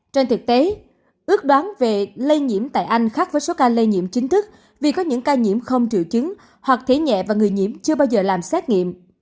trên thực tế ước đoán về lây nhiễm tại anh khác với số ca lây nhiễm chính thức vì có những ca nhiễm không triệu chứng hoặc thế nhẹ và người nhiễm chưa bao giờ làm xét nghiệm